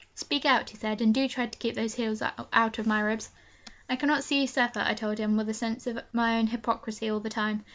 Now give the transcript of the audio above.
'Speak out,' he said, 'and do try to keep those heels out of my ribs.' 'I cannot see you suffer,' I told him, with a sense of my own hypocrisy all the time.